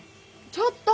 ちょっと！